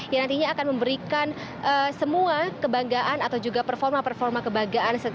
yang nantinya akan memberikan semua kebanggaan atau juga performa performa kebanggaan